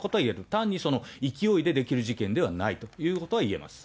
単に勢いでできる事件ではないということは言えます。